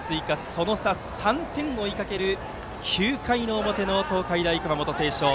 その差３点を追いかける９回の表の東海大熊本星翔。